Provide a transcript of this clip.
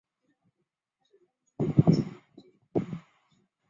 菲里普可能与弟弟小英格一同葬在瑞典东约特兰林雪坪的弗列达修道院内。